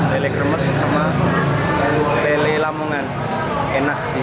lele kremes sama lele lamongan enak sih